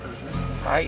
はい。